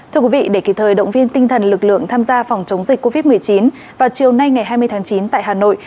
thưa quý vị để kịp thời động viên tinh thần lực lượng tham gia phòng chống dịch covid một mươi chín vào chiều nay ngày hai mươi tháng chín tại hà nội